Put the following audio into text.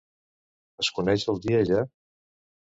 Es coneix el dia ja?